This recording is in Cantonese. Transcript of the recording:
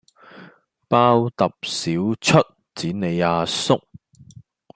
包揼少出剪你阿叔